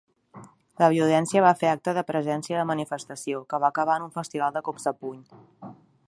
La violència va fer acte de presència a la manifestació, que va acabar en un festival de cops de puny